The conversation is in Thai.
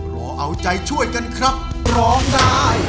รอเอาใจช่วยกันครับร้องได้